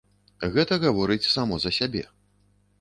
Гэта гаворыць само за сябе.